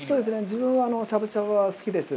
自分は、しゃぶしゃぶは好きです。